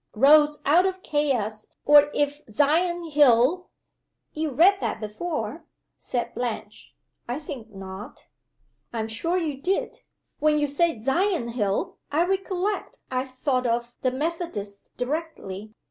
Rose out of Chaos or if Sion hill " "You read that before," said Blanche. "I think not." "I'm sure you did. When you said 'Sion hill' I recollect I thought of the Methodists directly.